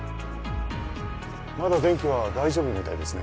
まだ電気は大丈夫みたいですね